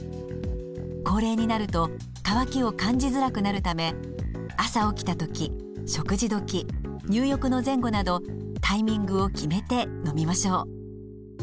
高齢になると渇きを感じづらくなるため朝起きた時食事時入浴の前後などタイミングを決めて飲みましょう。